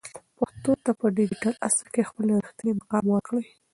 پښتو ته په ډیجیټل عصر کې خپل رښتینی مقام ورکړئ.